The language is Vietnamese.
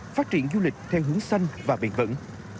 phát triển du lịch theo hướng xanh và bền vững